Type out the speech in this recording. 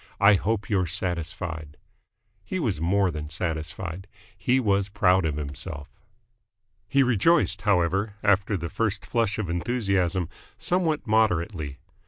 I hope you're satisfied!" He was more than satisfied. He was proud of himself. He rejoiced, however, after the first flush of enthusiasm, somewhat moderately.